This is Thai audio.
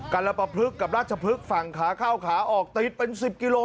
กัลปะพลึกกับราชพลึกฝั่งขาเข้าขาออก